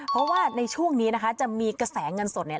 เพราะว่าในช่วงนี้นะคะจะมีกระแสเงินสดเนี่ย